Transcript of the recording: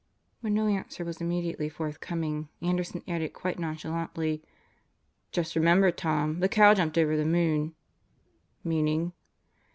When no answer was immediately forthcoming, Anderson added quite nonchalantly, "Just remember, Tom, the cow jumped over tie moon." "Meaning?"